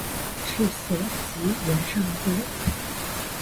治所即元上都。